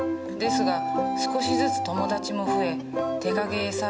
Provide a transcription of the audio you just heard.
ですが少しずつ友達も増え手影絵